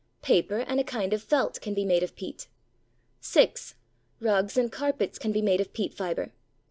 Paper and a kind of felt can be made of peat. 6. Rugs and carpets can be made of peat fibre.